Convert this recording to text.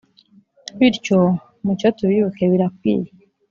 bityo! mucyo tubibuke birakwiye